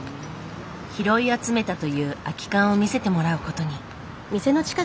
拾い集めたという空き缶を見せてもらうことに。